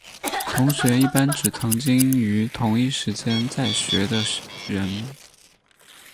同学一般指曾经于同一时间在学的人。